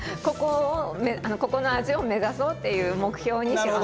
ここの味を目指そうっていう目標にします。